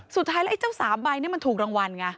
สุดท้ายแล้วไอ้เจ้า๓ใบนี่มันถูกรางวัลไง